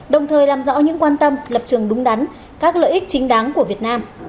đồng thời làm rõ những quan tâm lập trường đúng đắn các lợi ích chính đáng của việt nam